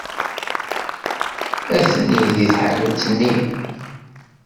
Atni deg tḥanut-nni.